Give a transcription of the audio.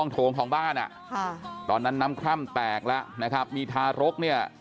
ตอนนั้นน้ำคร่ำแตกแล้วนะครับมีทารกเนี่ย